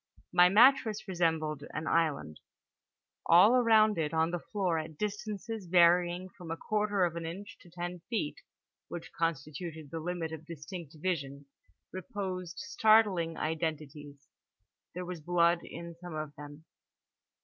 My mattress resembled an island: all around it on the floor at distances varying from a quarter of an inch to ten feet (which constituted the limit of distinct vision) reposed startling identities. There was blood in some of them.